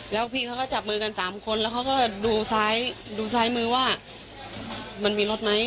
แล้วพี่เขาก็จับมือกัน๓คนแล้วเขาก็ดูซ้ายดูซ้ายมือว่ามันมีรถไหม